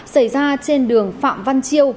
xảy ra trên đường phạm văn chiêu